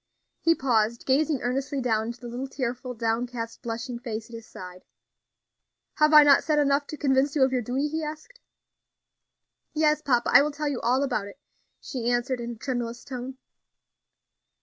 He paused, gazing earnestly down into the little tearful, downcast, blushing face at his side. "Have I not said enough to convince you of your duty?" he asked. "Yes, papa; I will tell you all about it," she answered in a tremulous tone.